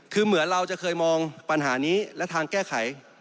คือเหมือนเราจะเคยมองปัญหานี้และทางแก้ไข